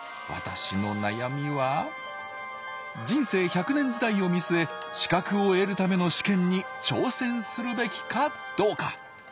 私の悩みは「人生１００年時代を見据え資格を得るための試験に挑戦するべきかどうか」